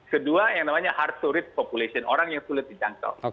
kedua yang namanya hard to rate population orang yang sulit dijangkau